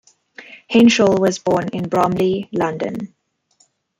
Henshall was born in Bromley, London.